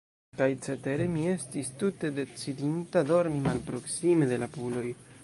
Kaj cetere, mi estis tute decidinta, dormi malproksime de la puloj.